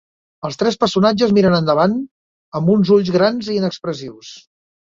Els tres personatges miren endavant amb uns ulls grans i inexpressius.